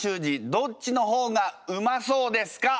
どっちの方がうまそうですか？